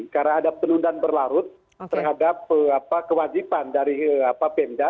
karena ada penundaan berlarut terhadap kewajiban dari pemda